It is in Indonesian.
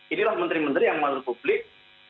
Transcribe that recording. inilah menteri menteri yang menurut publik